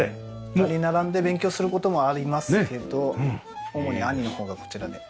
２人並んで勉強する事もありますけど主に兄の方がこちらで。